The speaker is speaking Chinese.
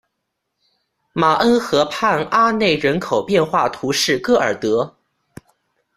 马恩河畔阿内人口变化图示戈尔德